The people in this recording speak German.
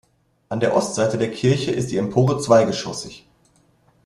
An der Ostseite der Kirche ist die Empore zweigeschossig.